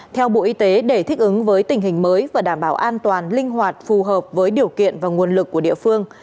theo bộ y tế để thích ứng với tình hình mới và đảm bảo an toàn linh hoạt phù hợp với điều kiện và nguồn lực của địa phương